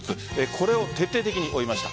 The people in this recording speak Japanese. これを徹底的に追いました。